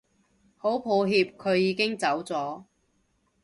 好抱歉佢已經走咗